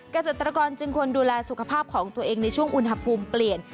เกษตรกรจึงควรดูแลสุขภาพของตัวเองในช่วงอุณหภูมิเปลี่ยน